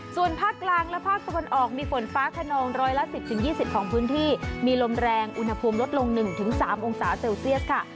ส่วนภาคกลางและภาคตะวันออกมีฝนฟ้าขนองร้อยละ๑๐๒๐ของพื้นที่มีลมแรงอุณหภูมิลดลง๑๓องศาเซลเซียสค่ะ